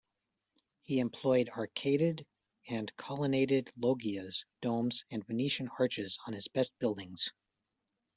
He employed arcaded and colonnaded loggias, domes, and Venetian arches on his best buildings.